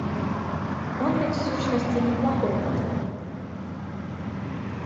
Он ведь, в сущности, неплохой парень.